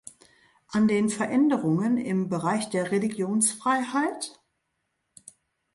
An den Veränderungen im Bereich der Religionsfreiheit?